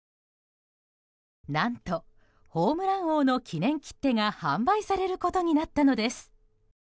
何とホームラン王の記念切手が販売されることになったのです。